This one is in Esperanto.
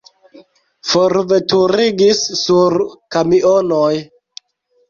Forveturigis sur kamionoj.